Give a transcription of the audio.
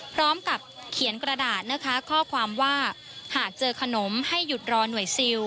พร้อมกับเขียนกระดาษนะคะข้อความว่าหากเจอขนมให้หยุดรอหน่วยซิล